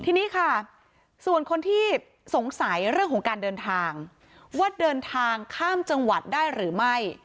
ทีนี้ค่ะส่วนคนที่สงสัยเรื่องของการเดินทางว่าเดินทางข้ามจังหวัดได้หรือไม่